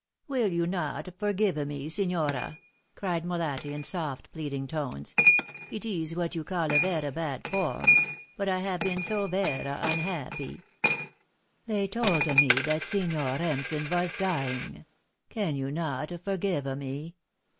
"Will you not forgiva me, signora?" cried Molatti, in soft, pleading tones. "Eet ees what you calla vera bad form, but I hava been so vera unhappy. They tolda me that Signor Remsen was dying. Can you not forgiva me?"